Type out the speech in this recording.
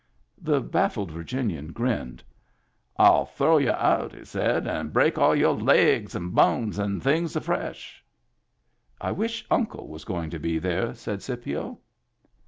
The baffled Virginian grinned. "Ill throw you out," he said, " and break all your laigs and bones and things fresh." " I wish Uncle was going to be there," said Scipio.